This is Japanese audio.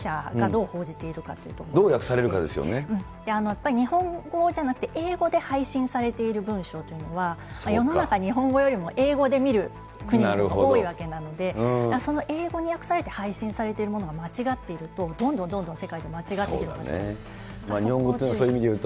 やっぱり日本語じゃなくて、英語で配信されている文章というのは、世の中、日本語よりも英語で見る国のほうが多いわけなので、その英語に訳されて配信されているものが間違っていると、どんどんどんどん世界に、間違っている感じになる。